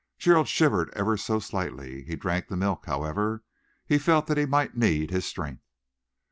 Gerald shivered ever so slightly. He drank the milk, however. He felt that he might need his strength.